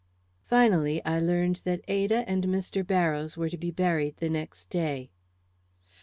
Finally I learned that Ada and Mr. Barrows were to be buried the next day.